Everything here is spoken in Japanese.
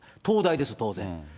東大です、当然。